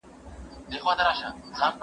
شاه سلیمان په نشه کې ډېر خطرناک انسان و.